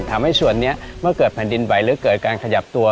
ทำให้ส่วนนี้เมื่อเกิดแผ่นดินไหวหรือเกิดการขยับตัว